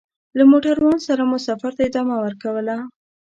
له موټروان سره مو سفر ته ادامه ورکوله.